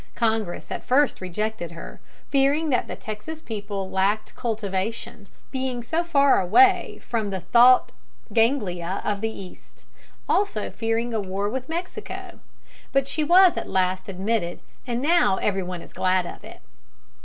Congress at first rejected her, fearing that the Texas people lacked cultivation, being so far away from the thought ganglia of the East, also fearing a war with Mexico; but she was at last admitted, and now every one is glad of it.